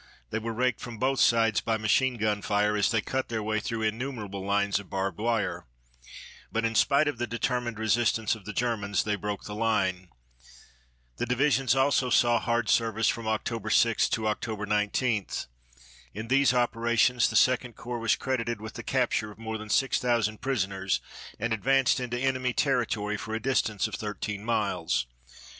They were raked from both sides by machine gun fire as they cut their way through innumerable lines of barbed wire. But in spite of the determined resistance of the Germans, they broke the line. The divisions also saw hard service from October 6 to October 19. In these operations the Second Corps was credited with the capture of more than 6,000 prisoners, and advanced into enemy territory for a distance of thirteen miles.